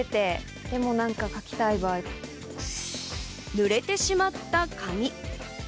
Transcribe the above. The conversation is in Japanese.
濡れてしまった紙。